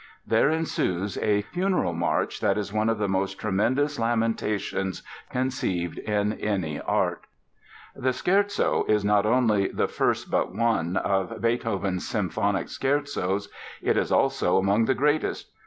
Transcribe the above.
There ensues a Funeral March that is one of the most tremendous lamentations conceived in any art. The Scherzo is not only the first but one of Beethoven's symphonic scherzos, it is also among the greatest.